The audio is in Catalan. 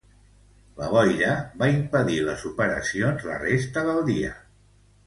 La boira va impedir les operacions la resta del dia.